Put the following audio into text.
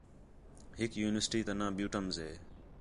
ہِک یونیورسٹی تا ناں بیوٹمز ہِے